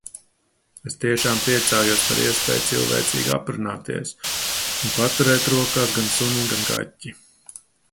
Es tiešām priecājos par iespēju cilvēcīgi aprunāties. Un paturēt rokās gan suni, gan kaķi.